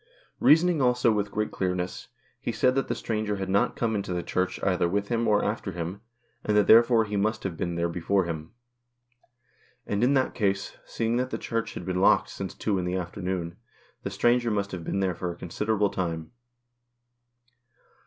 Reasoning also with great clearness, he said that the stranger had not come into the Church either with him or after him, and that therefore he must have been there before him. And in 179 &HOST TALES. that case, seeing that the Church had been locked since two in the afternoon, the stranger must have been there for a consider able time.